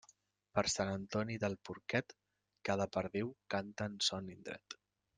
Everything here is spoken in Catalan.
Per Sant Antoni del porquet, cada perdiu canta en son indret.